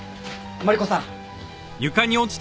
マリコさん。